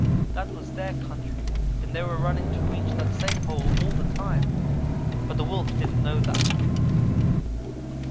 That was their country and they were running to reach that same hole all the time, but the Wolf didn't know that.